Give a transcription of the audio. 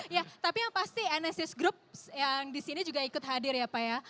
ya tapi yang pasti anesthes group yang di sini juga ikut hadir ya